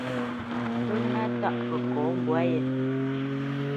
Pə́ ŋâ tâʼ kəkɔ mbwǎ yé.